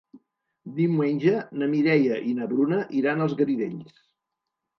Diumenge na Mireia i na Bruna iran als Garidells.